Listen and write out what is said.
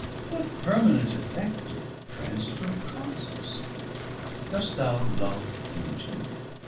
what permanent effect Of transitory causes? Dost thou love Beauty?